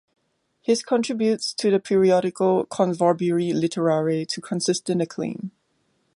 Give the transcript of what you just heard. His contributes to the periodical "Convorbiri Literare" to consistent acclaim.